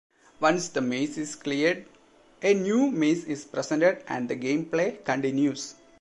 Once the maze is cleared, a new maze is presented and the gameplay continues.